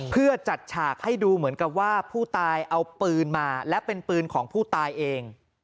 เพื่อจัดฉากให้ดูเหมือนกับว่าผู้ตายเอาปืนมาและเป็นปืนของผู้ตายเอง